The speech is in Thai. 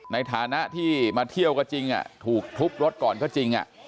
ในฐานะที่มาเที่ยวก็จริงถูกทุบรถก่อนก็จริง